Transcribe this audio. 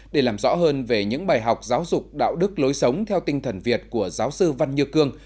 để làm rõ hơn về những bài học giáo dục đạo đức lối sống theo tinh thần việt của giáo sư văn nhược cương